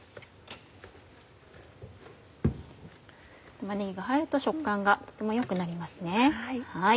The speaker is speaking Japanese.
玉ねぎが入ると食感がとても良くなりますね。